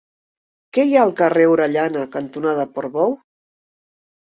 Què hi ha al carrer Orellana cantonada Portbou?